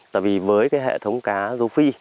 tại vì với cái hệ thống cá rô phi